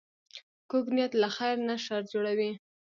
کوږ نیت له خیر نه شر جوړوي